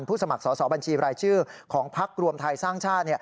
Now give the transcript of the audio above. สมัครสอบบัญชีรายชื่อของพักรวมไทยสร้างชาติ